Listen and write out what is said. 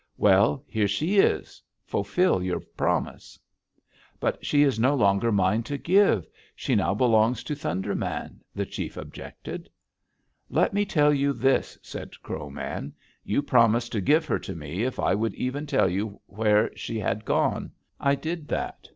Well, here she is: fulfill your promise!' "'But she is no longer mine to give. She now belongs to Thunder Man,' the chief objected. "'Let me tell you this,' said Crow Man: 'You promised to give her to me if I would even tell you where she had gone. I did that.